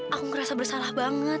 aku ngerasa bersalah banget